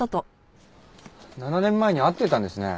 ７年前に会っていたんですね。